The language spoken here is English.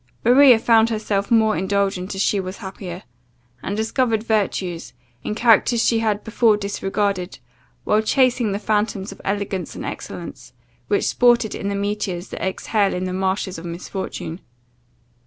Maria found herself more indulgent as she was happier, and discovered virtues, in characters she had before disregarded, while chasing the phantoms of elegance and excellence, which sported in the meteors that exhale in the marshes of misfortune.